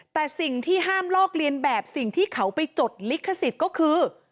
แต่สิ่งที่ห้ามลอกเลียนแบบสิ่งที่เขาไปจดลิขสิทธิ์ก็คือ